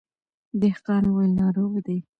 دهقان وويل ناروغ دی.